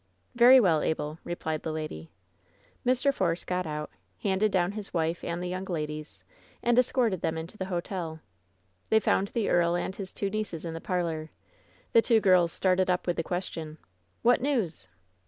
"Very well, Abel," replied the lady. Mr. Force got out, handed down his wife and tht young ladies, and escorted them into the hotel. They found the earl and his two nieces in the parlor. The two girls started up with the question: "What news?"